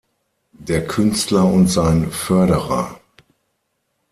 Der Künstler und sein Förderer.